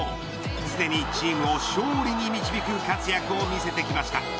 すでにチームを勝利に導く活躍を見せてきました。